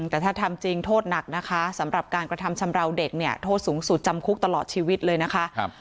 แต่ถ้าทำจริงโทษหนักนะคะสำหรับการกระทำชำราวเด็กเนี่ยโทษสูงสุดจำคุกตลอดชีวิตเลยนะคะ